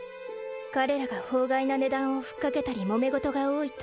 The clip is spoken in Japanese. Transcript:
彼らが法外な値段をふっかけたりもめ事が多いと